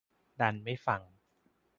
ดันไม่ฟัง